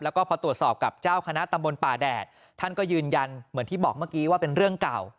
แล้วก็พอตรวจสอบกับเจ้าคณะตำบลป่าแดดท่านก็ยืนยันเหมือนที่บอกเมื่อกี้ว่าเป็นเรื่องเก่า